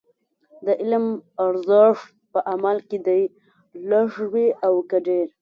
د علم ارزښت په عمل کې دی، لږ وي او که ډېر.